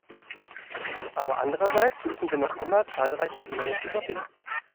Aber andererseits müssen wir noch immer zahlreiche Hindernisse überwinden.